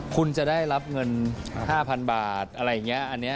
คุณจะได้รับเงิน๕๐๐๐บาทอะไรอย่างนี้